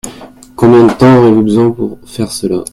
Combien de temps aurez-vous besoin pour faire cela ?